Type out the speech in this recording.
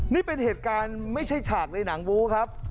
นี่เป็นเหตุการณ์ไม่ใช่ฉากในหนังบู้ครับ